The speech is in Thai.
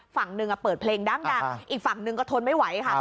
ฝั่งหนึ่งเปิดเพลงดังอีกฝั่งหนึ่งก็ทนไม่ไหวค่ะ